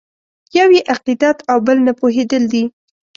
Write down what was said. یو یې عقیدت او بل نه پوهېدل دي.